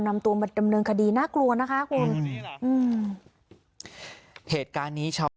นำตัวมาดำเนินคดีน่ากลัวนะคะคุณ